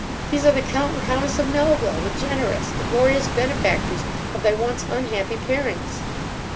these are the count and countess of Melville, the generous the glorious benefactors of thy once unhappy parents.